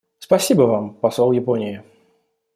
Спасибо Вам, посол Японии.